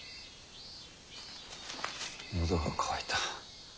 喉が渇いた。